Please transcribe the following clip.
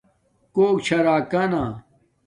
کوک چھا راکانا